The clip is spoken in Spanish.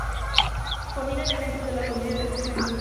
Combina elementos de la comedia de acción y aventura.